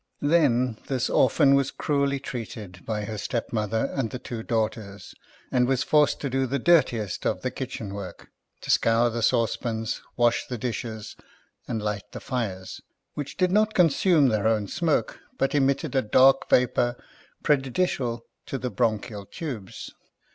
Then, this orphan was cruelly treated by her stepmother and the two daughters, and was forced to do the dirtiest of the kitchen work ; to scour the saucepans, wash the dishes, and light the fires — which did not consume their own smoke, but emitted a dark Tapour prejudicial to the bronchial tubes.